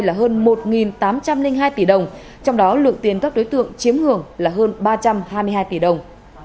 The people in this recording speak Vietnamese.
là hơn một tám trăm linh hai tỷ đồng trong đó lượng tiền các đối tượng chiếm hưởng là hơn ba trăm hai mươi hai tỷ đồng